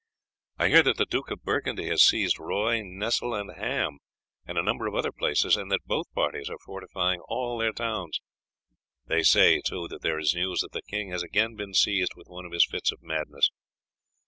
I hear that the Duke of Burgundy has seized Roye, Nesle, and Ham, and a number of other places, and that both parties are fortifying all their towns. They say, too, that there is news that the king has again been seized with one of his fits of madness.